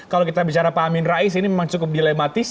kalau kita bicara pak amin rais ini memang cukup dilematis